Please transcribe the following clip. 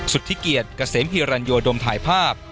สุธิเกียรติเกษมฮิรันโยดมถ่ายภาพ